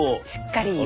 しっかり。